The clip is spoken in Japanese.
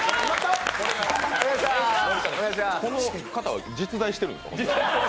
この方は、実在してるんですか？